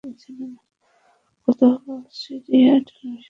গতকাল সিরিয়ার টেলিভিশনে আইএসের ভেঙে ফেলা নানা প্রত্নতাত্ত্বিক নিদর্শন দেখানো হয়।